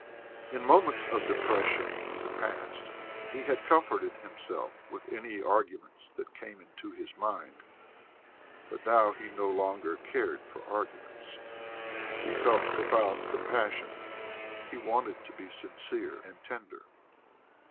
In moments of depression in the past he had comforted himself with any arguments that came into his mind, but now he no longer cared for arguments; he felt profound compassion, he wanted to be sincere and tender....